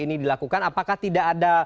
ini dilakukan apakah tidak ada